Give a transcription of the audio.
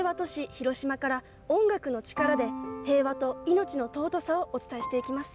広島から音楽の力で平和といのちの尊さをお伝えしていきます。